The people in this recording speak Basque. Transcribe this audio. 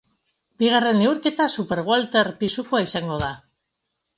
Bigarren neurketa superwelter pisukoa izango da.